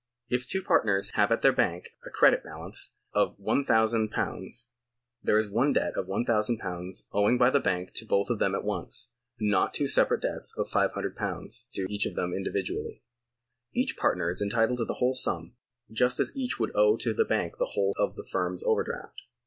If two partners have at their bank a credit balance of lOOOZ., there is one debt of lOOOZ. owing by the bank to both of them at once, not two separate debts of 5001. due to each of them individually. Each partner is entitled to the whole sum, just as each would owe to the bank the whole of the firm's overdraft.